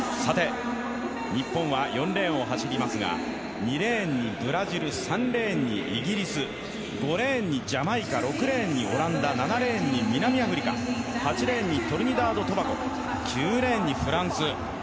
日本は４レーンを走りますが２レーンにブラジル、３レーンにイギリス、５レーンにジャマイカ、６レーンにオランダ、７レーンに南アフリカ、８レーンにトリニダード・トバゴ、９レーンにフランス。